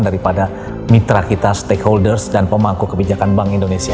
daripada mitra kita stakeholders dan pemangku kebijakan bank indonesia